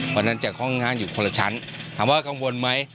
เพราะฉะนั้นจะค่อยอยู่คนละชั้นถามว่ากังวลไหม